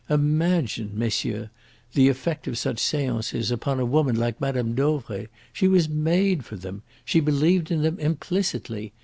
Imagine, messieurs, the effect of such seances upon a woman like Mme. Dauvray. She was made for them. She believed in them implicitly.